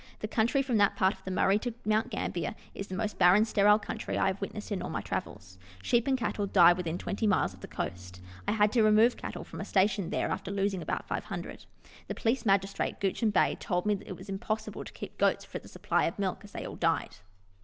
The country from that part of the Murray to Mount Gambler is the most barren, sterile country I have witnessed in all my travels. Sheep and cattle die within twenty miles of the coast. I had to remove cattle from a station there after losing about 500. The Police Magistrate, Guichen Bay, told me that it was impossible to keep goats for the supply 238 Letters from Victorian Pioneers. of milk, as they all died.